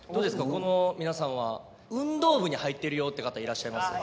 ここの皆さんは運動部に入ってるよって方いらっしゃいます？